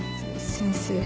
先生